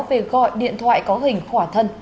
về gọi điện thoại có hình khỏa thân có trả phí